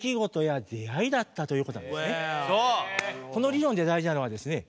この理論で大事なのはですね